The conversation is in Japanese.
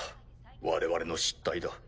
我々の失態だ。